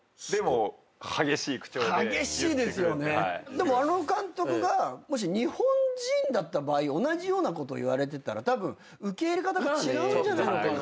でもあの監督がもし日本人だった場合同じようなこと言われてたらたぶん受け入れ方が違うんじゃないのかなって。